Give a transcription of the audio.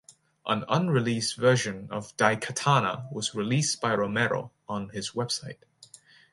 An unreleased version of "Daikatana" was released by Romero on his website.